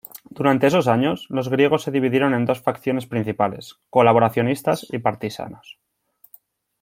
Durante esos años, los griegos se dividieron en dos fracciones principales: colaboracionistas y partisanos.